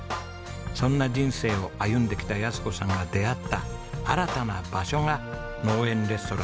そんな人生を歩んできた安子さんが出会った新たな場所が農園レストランつつじヶ丘です。